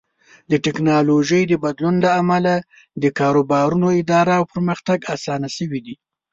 د ټکنالوژۍ د بدلون له امله د کاروبارونو اداره او پرمختګ اسان شوی دی.